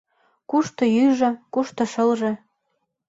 Кушто ӱйжӧ, кушто шылже -